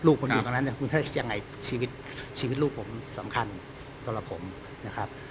ลูกคนอื่นตรงนั้นชีวิตลูกผมสำคัญสำหรับผมนะครับ